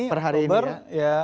per hari ini ya